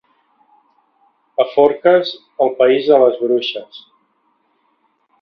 A Forques, el país de les bruixes.